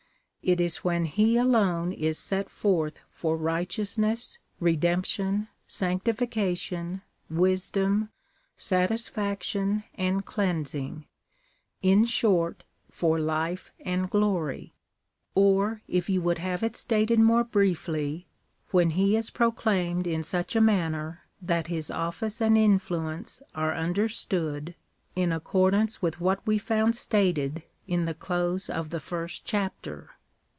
It is when he alone is set forth for righteousness, redemption, sanctification, wisdom, satisfac tion and cleansing ; in short, for life and glory ; or if you would have it stated more briefly, when he is proclaimed in such a manner that his office and influence are understood in accordance with what we found stated in the close of the first chapter.